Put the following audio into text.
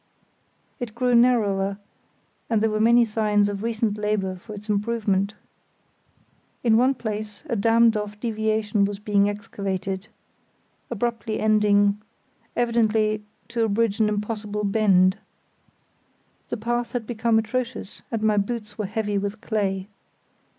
It grew narrower, and there were many signs of recent labour for its improvement. In one place a dammed off deviation was being excavated, evidently to abridge an impossible bend. The path had become atrocious, and my boots were heavy with clay.